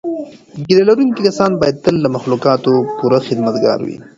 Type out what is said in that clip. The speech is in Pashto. ږیره لرونکي کسان باید تل د مخلوقاتو پوره خدمتګار وي.